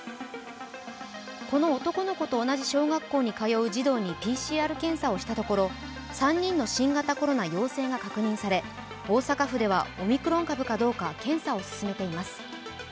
この男の子と同じ小学校に通う児童にＰＣＲ検査をしたところ、３人の新型コロナ陽性が確認され大阪府ではオミクロン株かどうか検査を進めています。